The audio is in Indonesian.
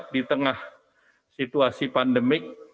di tengah situasi pandemik